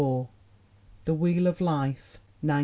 The Wheel of Life, 1906.